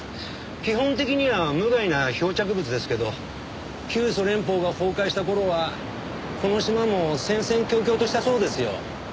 基本的には無害な漂着物ですけど旧ソ連邦が崩壊した頃はこの島も戦々恐々としたそうですよ。